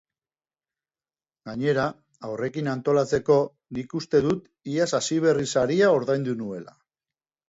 Gainera, haurrekin antolatzeko, nik uste dut iaz hasiberri-saria ordaindu nuela.